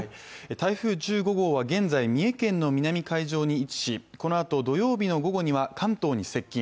台風１５号は現在三重県の南海上に位置しこのあと、土曜日の午後には、関東に接近。